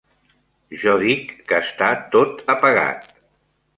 Jo dic que està tot apagat.